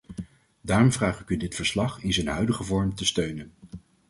Daarom vraag ik u dit verslag in zijn huidige vorm te steunen.